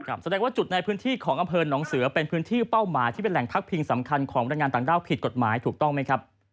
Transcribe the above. แสดงว่าจุดในพื้นที่ของอำเภอหนองเสือเป็นพื้นที่เป้าหมายที่เป็นแหล่งพักพิงสำคัญของบรรยายงานต่างด้าวผิดกฎหมายถูกต้องไหมครับ